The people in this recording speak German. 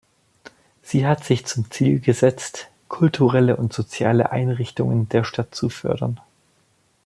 Sie hat sich zum Ziel gesetzt, kulturelle und soziale Einrichtungen der Stadt zu fördern.